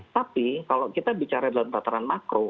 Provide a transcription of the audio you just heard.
tapi kalau kita bicara dalam tataran makro